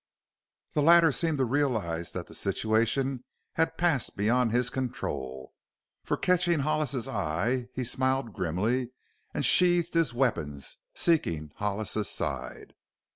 The latter seemed to realize that the situation had passed beyond his control, for catching Hollis's eye he smiled grimly and sheathed his weapons, seeking Hollis's side.